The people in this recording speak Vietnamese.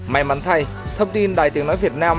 may mắn thay thông tin đài tiếng nói việt nam